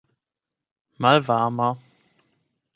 malvarma